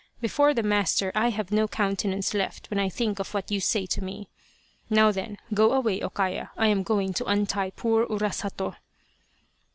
Before the master I have no countenance left when I think of what you say to me. Now then go away O Kaya I am going to untie poor Urasato